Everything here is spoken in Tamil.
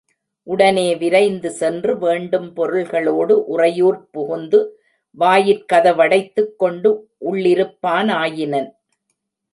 உடனே விரைந்து சென்று, வேண்டும் பொருள்களோடு உறையூர்ப் புகுந்து, வாயிற் கதவடைத்துக் கொண்டு உள்ளிருப்பானாயினன்.